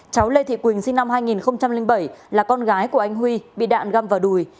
cháu lê thị quỳnh sinh năm hai nghìn bảy là con gái của anh huy bị đạn găm vào đùi